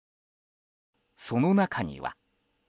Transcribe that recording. その中には。